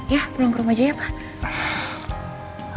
ya pulang ke rumah aja ya pak